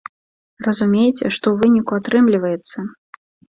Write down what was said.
Разумееце, што ў выніку атрымліваецца!